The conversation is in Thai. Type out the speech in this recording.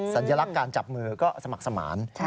สัญลักษณ์การจับมือก็สมัครสมาน